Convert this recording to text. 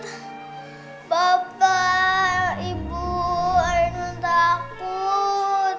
takut papa ibu ainun takut